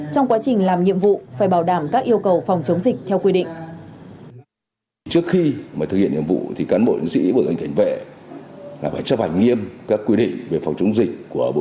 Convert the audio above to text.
trong quá trình làm nhiệm vụ phải bảo đảm các yêu cầu phòng chống dịch theo quy định